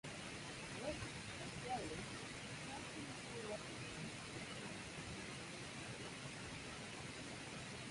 However, like Day, Johnson soon left the band to pursue his own solo career.